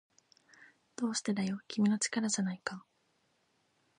どうしてだよ、君の力じゃないか